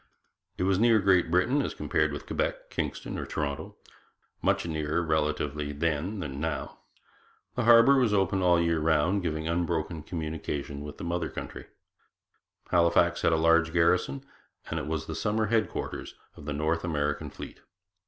It was near Great Britain as compared with Quebec, Kingston, or Toronto; much nearer, relatively, then than now. The harbour was open all the year round, giving unbroken communication with the mother country. Halifax had a large garrison, and it was the summer headquarters of the North American fleet.